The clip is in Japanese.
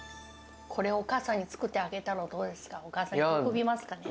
これ、お母さんに作ってあげたらどうですか、お母さん、喜びますかね。